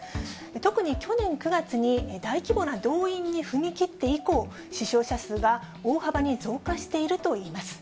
特に去年９月に、大規模な動員に踏み切って以降、死傷者数が大幅に増加しているといいます。